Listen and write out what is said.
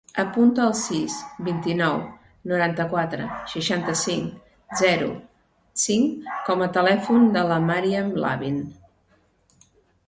Apunta el sis, vint-i-nou, noranta-quatre, seixanta-cinc, zero, cinc com a telèfon de la Maryam Lavin.